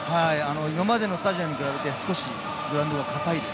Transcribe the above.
今までのスタジアムに比べて少しグラウンドが硬いです。